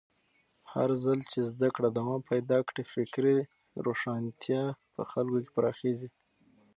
هرځل چې زده کړه دوام پیدا کړي، فکري روښانتیا په خلکو کې پراخېږي.